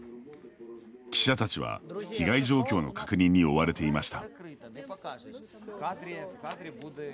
記者たちは被害状況の確認に追われていました。